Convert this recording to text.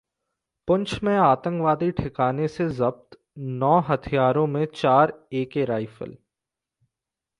पुंछ में आतंकवादी ठिकाने से जब्त नौ हथियारों में चार एके राइफल